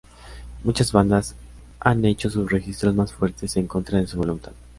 Muchas bandas han hecho sus registros más fuertes en contra de su voluntad.